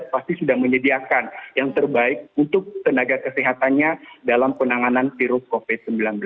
pasti sudah menyediakan yang terbaik untuk tenaga kesehatannya dalam penanganan virus covid sembilan belas